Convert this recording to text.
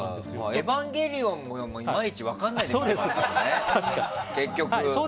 「エヴァンゲリオン」自体もいまいち分からないですからね。